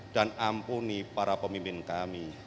dan ampuni para pemimpin kami